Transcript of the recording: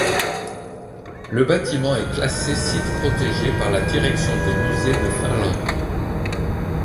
Le bâtiment est classé site protégé par la Direction des musées de Finlande.